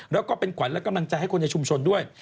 แล้วก็เป็นขวัญและกำลังใจให้คนในชุมชนด้วย